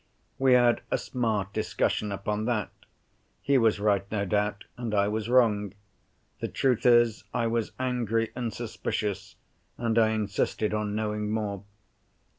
We had a smart discussion upon that. He was right, no doubt; and I was wrong. The truth is, I was angry and suspicious—and I insisted on knowing more.